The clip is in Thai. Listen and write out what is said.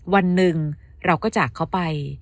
วันหนึ่งเราก็จากเขาไป